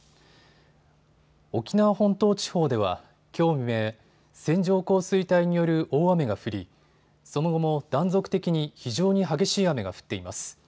沖縄本島地方ではきょう未明、線状降水帯による大雨が降りその後も断続的に非常に激しい雨が降っています。